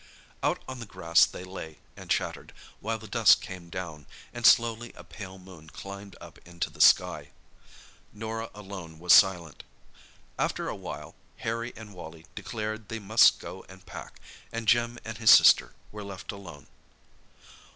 Out on the grass they lay and chattered, while the dusk came down, and slowly a pale moon climbed up into the sky. Norah alone was silent. After a while Harry and Wally declared they must go and pack, and Jim and his sister were left alone.